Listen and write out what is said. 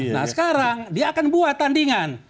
nah sekarang dia akan buat tandingan